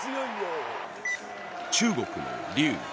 中国の劉。